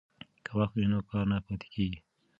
که وخت وي نو کار نه پاتیږي.